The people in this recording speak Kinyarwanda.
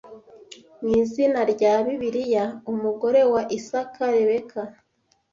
Mu izina rya Bibiliya umugore wa Isaka Rebeka